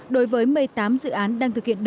đối với một mươi tám dự án đang thực hiện đầu tư